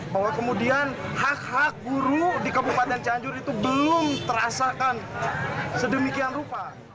bahwa kemudian hak hak guru di kabupaten cianjur itu belum terasakan sedemikian rupa